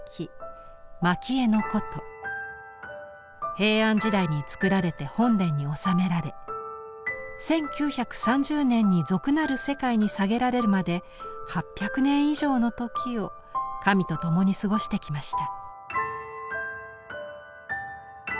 平安時代に作られて本殿におさめられ１９３０年に俗なる世界に下げられるまで８００年以上の時を神と共に過ごしてきました。